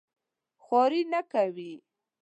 خواري نه کوي.